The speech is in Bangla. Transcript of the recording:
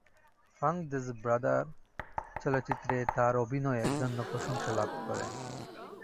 ফার্নান্দেজ "ব্রাদার্স" চলচ্চিত্রে তার অভিনয়ের জন্য প্রশংসা লাভ করেন।